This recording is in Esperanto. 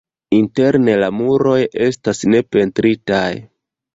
Interne la muroj estas ne pentritaj.